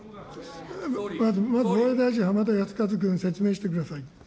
まず防衛大臣、浜田靖一君、説明してください。